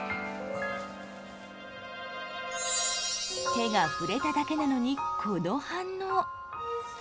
手が触れただけなのにこの反応。